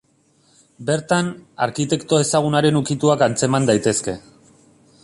Bertan, arkitekto ezagunaren ukituak antzeman daitezke.